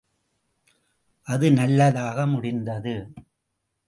அது நல்லதாக முடிந்தது.